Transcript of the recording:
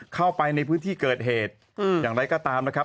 เข้าไปในพื้นที่เกิดเหตุอย่างไรก็ตามนะครับ